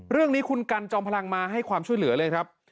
เรื่องนี้คุณกันจอมพลังมาให้ความช่วยเหลือเลยครับ